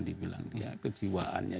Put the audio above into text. dibilang dia kejiwaannya